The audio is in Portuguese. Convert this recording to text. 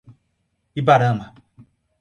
Ibarama